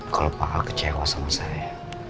kalau pak ahok kecewa sama saya